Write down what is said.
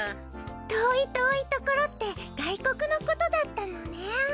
遠い遠いところって外国のことだったのね。